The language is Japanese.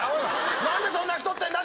何でそんな太ってんだ？